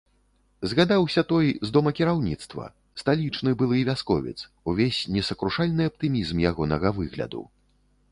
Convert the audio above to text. Згадаўся той, з домакіраўніцтва, сталічны былы вясковец, увесь несакрушальны аптымізм ягонага выгляду.